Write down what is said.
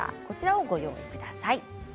こちらをご用意ください。